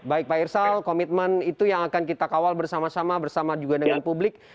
baik pak irsal komitmen itu yang akan kita kawal bersama sama bersama juga dengan publik